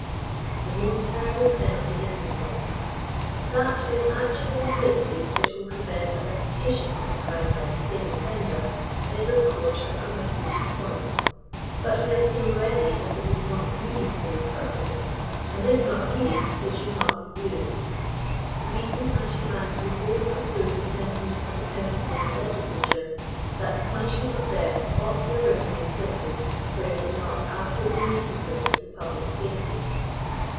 "THE MOST TERRIBLE PENALTY NECESSARY.*' That when actually inflicted it will prevent a repetition of the crime by the same offender, is of course an undisputed point. But we have seen already that it is not needed for this purpose, and if not needed it should not be used. Reason and humanity both ap* prove the sentiment of the Pennsylvania legislature, that "the punishment of death ought never to be inflicted where it is not ab fiolutely necessary to the public safety."